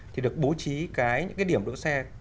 thì được bố trí cái điểm đỗ xe